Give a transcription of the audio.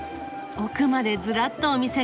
奥までずらっとお店が。